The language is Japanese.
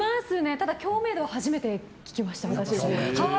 ただ、共鳴度は初めて聞きました。